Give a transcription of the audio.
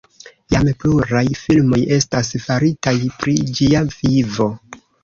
Jam pluraj filmoj estas faritaj pri ĝia vivo.